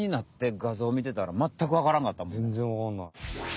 全然わかんない。